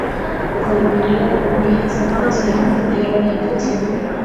walimuendea kwa wingi hata wakamtia hofu Herode Antipa